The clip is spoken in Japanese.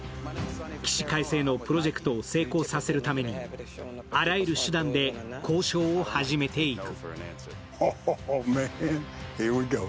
起死回生のプロジェクトを成功させるためにあらゆる手段で交渉を始めていく。